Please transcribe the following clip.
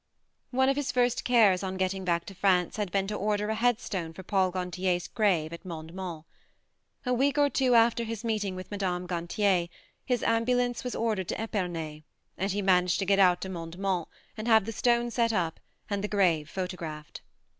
One of his first cares on getting back to France had been to order a head stone for Paul Gantier's grave at Mondement. A week or two after his meeting with Mme. Gantier, his ambulance was ordered to Epernay, and he managed to get out to Monde ment and have the stone set up and the grave photographed.